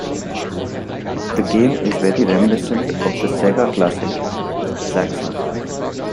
The game is very reminiscent of the Sega classic Zaxxon.